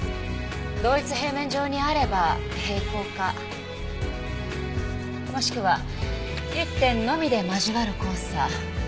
同一平面上にあれば平行かもしくは１点のみで交わる交差。